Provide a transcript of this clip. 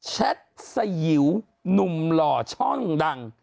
แชทสยิวหนุ่มหล่อช่องดัง